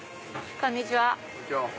こんにちは。